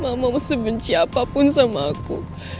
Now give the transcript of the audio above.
mama mesti benci apapun sama aku